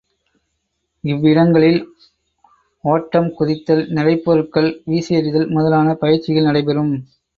இவ்விடங்களில் ஒட்டம், குதித்தல், நிறைப்பொருள்கள் வீசி எறிதல் முதலான பயிற்சிகள் நடைபெறும்.